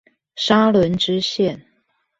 沙崙支線